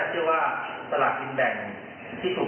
ก็ถ้าเชื่อว่าตลาดยิ้มแบ่งที่ถูกประวัติ